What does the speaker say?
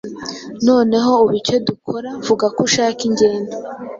Noneho ubu icyo dukora Vuga ko ushaka ingendo